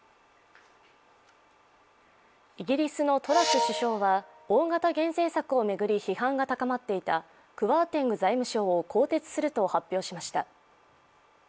イギリスのトラス首相は、大型の減税策を巡り批判が高まっていたクワーテング財務相を更迭すると発表しました。